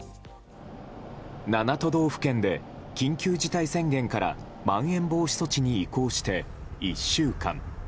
７都道府県で緊急事態宣言からまん延防止措置に移行して１週間。